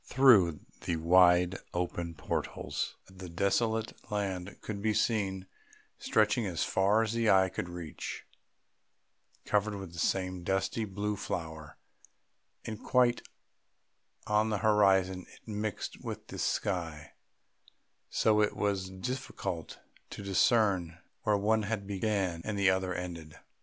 Through the wide open portals the desolate land could be seen, stretching as far as the eye could reach, covered with the same dusty blue flower, and quite on the horizon it mixed with the sky, so that it was difficult to discern where the one began and the other ended.